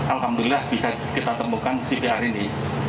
alhamdulillah bisa kita temukan cpr ini